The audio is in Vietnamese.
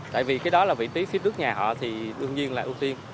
tại vì cái đó là vị trí phía trước nhà họ thì đương nhiên là ưu tiên